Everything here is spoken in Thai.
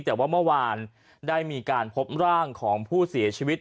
แต่ว่าเมื่อวานได้มีการพบร่างของผู้เสียชีวิต